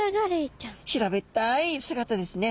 平べったい姿ですね。